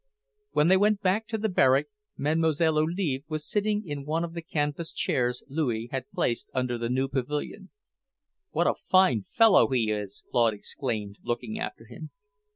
When they went back to the barrack, Mlle. Olive was sitting in one of the canvas chairs Louis had placed under the new pavilion. "What a fine fellow he is!" Claude exclaimed, looking after him.